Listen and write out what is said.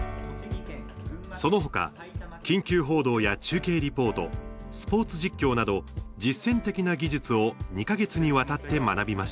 そのほか、緊急報道や中継リポート、スポーツ実況など実践的な技術を２か月にわたって学びました。